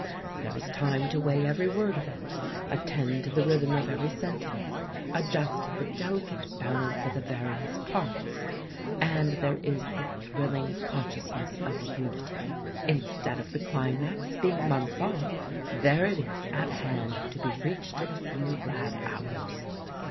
There is time to weigh every word of it, attend to the rhythm of every sentence, adjust the del icate balance of the various parts, and there is the thrilling consciousness of unity. Instead of the climax being months off, there it is at hand to be reached in a few glad hours.